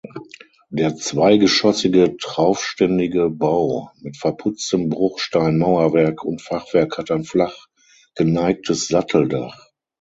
Der zweigeschossige traufständige Bau mit verputztem Bruchsteinmauerwerk und Fachwerk hat ein flach geneigtes Satteldach.